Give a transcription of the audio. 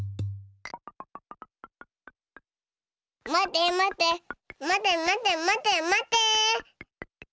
まてまてまてまてまてまて。